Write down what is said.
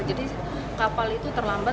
jadi kapal itu terlambat